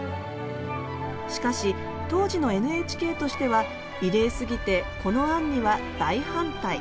しかし当時のＮＨＫとしては異例すぎてこの案には大反対。